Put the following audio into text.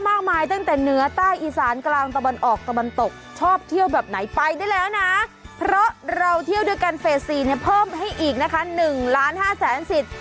เพราะเราเที่ยวด้วยกันเฟส๔เนี่ยเพิ่มให้อีกนะคะ๑๕๐๐๐๐๐สิทธิ์